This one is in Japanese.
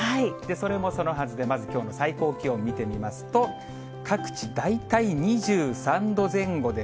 それもそのはずで、まずきょうの最高気温、見てみますと、各地、大体２３度前後で、